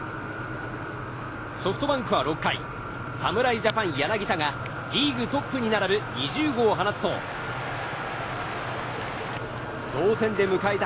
ソフトバンクは６回侍ジャパン、柳田がリーグトップに並ぶ２０号を放つと同点で迎えた